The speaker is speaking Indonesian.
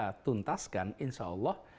kita tuntaskan insya allah